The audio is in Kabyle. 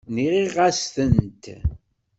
Nɣiɣ-as-tent.